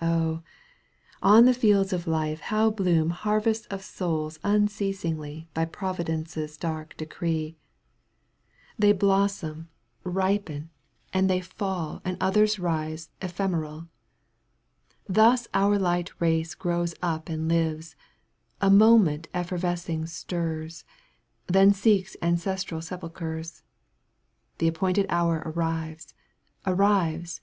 Oh ! on the fields of life how bloom Harvests of souls unceasingly By Providence's dark decree ! They blossom, ripen and they fall Digitized by VjOOQ 1С 60 EUGENE ON^GUINE. canto ii. And others rise ephemeral ! Thus our light race grows up and lives, A moment effervescing stirs, Then seeks ancestral sepulchres. The appointed hour, arrives, arrives